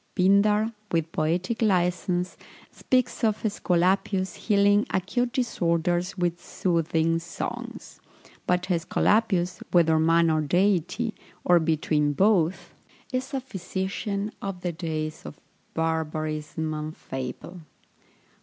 Pindar, with poetic licence, speaks of Æsculapius healing acute disorders with soothing songs; but Æsculapius, whether man or deity, or between both, is a physician of the days of barbarism and fable.